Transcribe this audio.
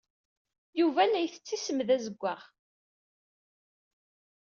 Yuba la yettess ismed azewwaɣ.